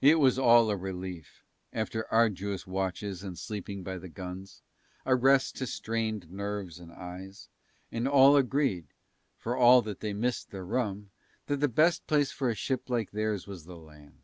It was all a relief after arduous watches and sleeping by the guns, a rest to strained nerves and eyes; and all agreed, for all that they missed their rum, that the best place for a ship like theirs was the land.